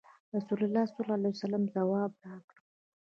رسول الله صلی الله علیه وسلم ځواب راکړ.